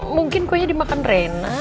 mungkin kuenya dimakan reina